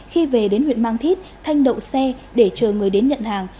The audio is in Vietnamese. khi về đến huyện mang thít thanh đậu xe để chờ người đến nhận hàng